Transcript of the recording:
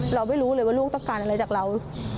เราไม่รู้เลยว่าลูกต้องการอะไรจากเรา